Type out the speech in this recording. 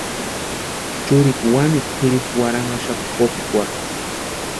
Churikwa wanikwa kwʼiripu warhanhaxapti kopikwarhu.